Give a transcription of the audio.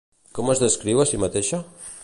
Com es descriu a si mateixa?